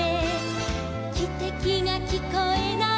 「きてきがきこえない」